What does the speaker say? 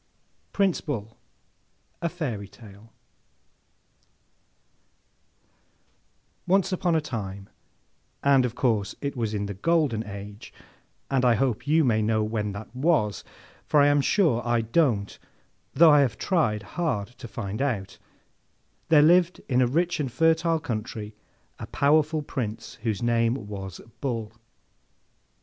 PRINCE BULL. A FAIRY TALE ONCE upon a time, and of course it was in the Golden Age, and I hope you may know when that was, for I am sure I don't, though I have tried hard to find out, there lived in a rich and fertile country, a powerful Prince whose name was BULL.